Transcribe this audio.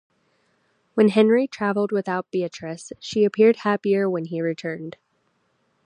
When Henry travelled without Beatrice, she appeared happier when he returned.